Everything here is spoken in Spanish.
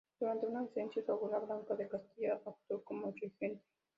Durante su ausencia, su abuela, Blanca de Castilla, actuó como regente.